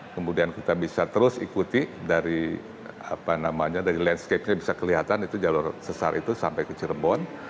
kemudian kita bisa terus ikuti dari landscape nya bisa kelihatan itu jalur sesar itu sampai ke cirebon